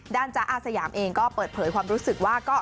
จ๊ะอาสยามเองก็เปิดเผยความรู้สึกว่า